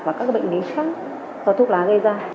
và các bệnh lý khác do thuốc lá gây ra